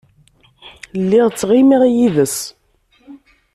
Lliɣ ttɣimiɣ yid-s.